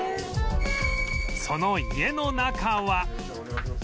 その家の中は